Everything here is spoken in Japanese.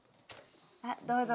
あっどうぞ。